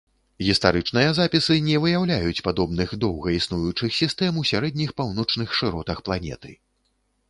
Гістарычныя запісы не выяўляюць падобных доўга існуючых сістэм у сярэдніх паўночных шыротах планеты.